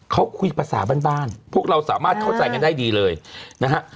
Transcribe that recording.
เขาคุยภาษาบ้านบ้านพวกเราสามารถเข้าใจกันได้ดีเลยนะฮะ